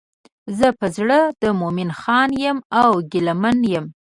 زه په زړه د مومن خان یم او ګیله منه یم.